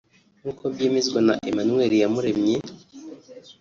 nk’uko byemezwa na Emmanuel Iyamurenye